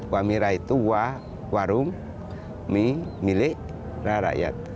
wamira itu wa warung mi milek rakyat